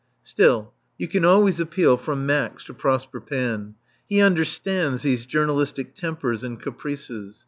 Still you can always appeal from Max to Prosper Panne. He understands these journalistic tempers and caprices.